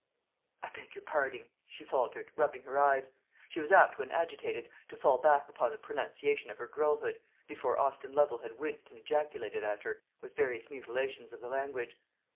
"I beg your parding!" she faltered, rubbing her eyes. She was apt, when agitated, to fall back upon the pronunciation of her girlhood, before Austin Lovel had winced and ejaculated at her various mutilations of the language.